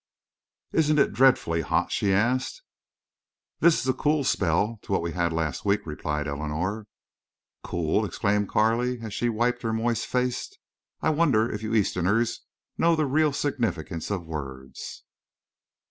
"Isn't it dreadfully hot?" she asked. "This is a cool spell to what we had last week," replied Eleanor. "Cool!" exclaimed Carley, as she wiped her moist face. "I wonder if you Easterners know the real significance of words."